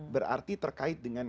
berarti terkait dengan